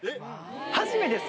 初めてです。